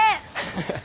ハハハ